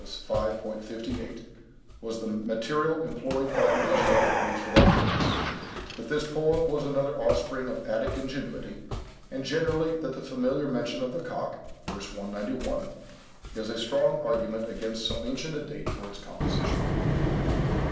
5, 58, was the material employed by the Asiatic Greeks for that purpose, that this poem was another offspring of Attic ingenuity; and generally that the familiar mention of the cock (v. 191) is a strong argument against so ancient a date for its composition."